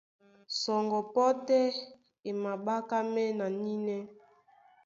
Sɔŋgɔ pɔ́ tɛ́ e maɓákámɛ́ na nínɛ́.